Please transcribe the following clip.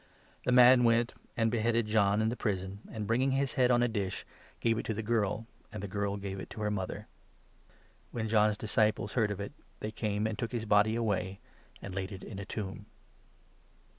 The man went and beheaded John in the prison, and, 28 bringing his head on a dish, gave it to the girl, and the girl gave it to her mother. When John's disciples heard of it, 29 they came and took his body away, and laid it in a tomb.